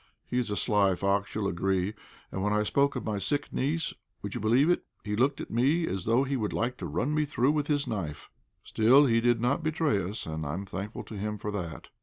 He is a sly fox, you'll agree. And when I spoke of my sick niece, would you believe it, he looked at me as if he would like to run me through with his knife. Still, he did not betray us, and I'm thankful to him for that!"